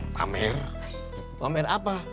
pamer pamer apa